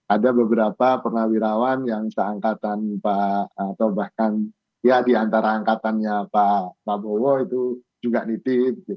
ada beberapa pernawirawan yang seangkatan pak atau bahkan di antara angkatannya pak pabowo itu juga ditip